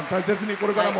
これからも。